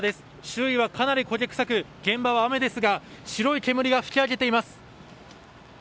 周囲はかなり焦げ臭く現場は雨ですが白い煙が噴き上げています。